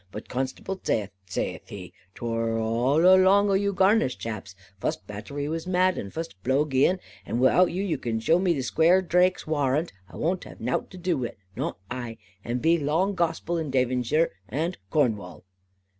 But Constable zaith, zaith he, 'Twor all along o you Garnish chaps, fust battery was mad, and fust blow gien, and wi'out you can zhow me Squaire Drake's warrant, I wunt have nout to do wi' it, not ai; and that be law and gospel in Davonsheer and in Cornwall.